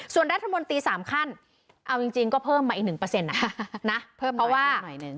ส่วนรัฐบนตรีสามขั้นเอาจริงจริงก็เพิ่มมาอีกหนึ่งเปอร์เซ็นต์น่ะนะเพิ่มหน่อยหน่อยหนึ่ง